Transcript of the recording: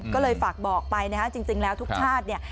ก็เลยฝากบอกไปจริงแล้วทุกชาติ